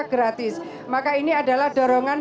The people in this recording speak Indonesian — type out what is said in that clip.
gratis maka ini adalah dorongan